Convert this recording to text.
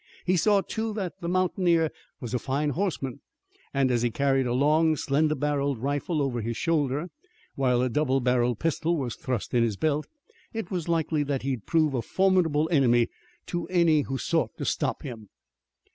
He saw, too, that the mountaineer was a fine horseman, and as he carried a long slender barreled rifle over his shoulder, while a double barreled pistol was thrust in his belt, it was likely that he would prove a formidable enemy to any who sought to stop him.